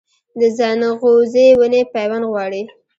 د ځنغوزي ونې پیوند غواړي؟